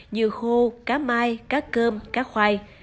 như khô cá mai cá cơm cá khoai